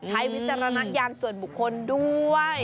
ใช้วิสระนักยานส่วนบุคคลด้วย